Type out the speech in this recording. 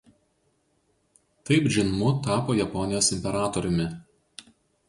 Taip Džinmu tapo Japonijos imperatoriumi.